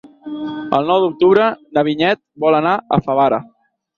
El nou d'octubre na Vinyet vol anar a Favara.